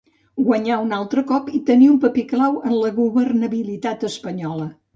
Guanyar un altre cop i tenir un paper clau en la governabilitat espanyola.